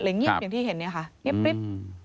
เลยงิบอย่างที่เห็นนี่ค่ะงิบ